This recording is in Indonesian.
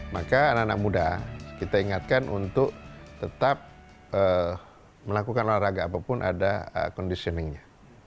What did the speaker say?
maka anak anak muda kita ingatkan untuk tetap melakukan olahraga apapun ada conditioningnya